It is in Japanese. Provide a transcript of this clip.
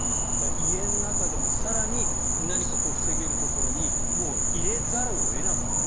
家の中でも更に何か防げるところにもう、入れざるを得なかった。